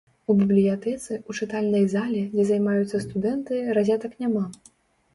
У бібліятэцы, у чытальнай зале, дзе займаюцца студэнты, разетак няма.